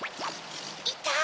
いた！